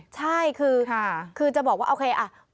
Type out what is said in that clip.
ใช่คือจะบอกว่าโอเคอ่ะ